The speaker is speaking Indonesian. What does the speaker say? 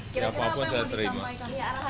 siapapun saya terima